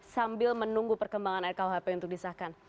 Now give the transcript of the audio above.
sambil menunggu perkembangan rkuhp untuk disahkan